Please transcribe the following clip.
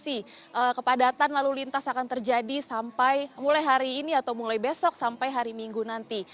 jadi saya prediksi kepadatan lalu lintas akan terjadi mulai hari ini atau mulai besok sampai hari minggu nanti